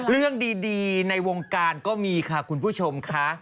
เรื่องดีในวงการก็มีค่ะคุณผู้ชมค่ะ